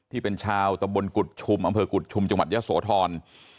ที่เป็นชาวตะบนกุฎชุมอำเภอกุฎชุมจังหวัดยะโสธร